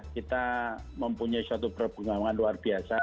kita mempunyai suatu perkembangan luar biasa